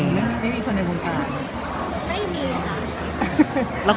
แต่อยากทำความรู้จักเฉพาะอย่างสนิทสนม